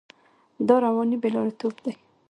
دا رواني بې لارېتوب دی.